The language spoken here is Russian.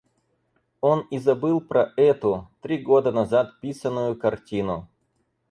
Он и забыл про эту, три года назад писанную, картину.